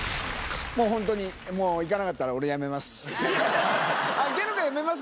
もう本当に、もういかなかったら、俺、やめます。